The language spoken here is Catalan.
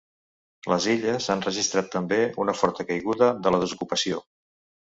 Les Illes han registrat també una forta caiguda de la desocupació.